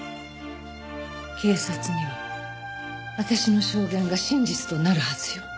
警察には私の証言が真実となるはずよ。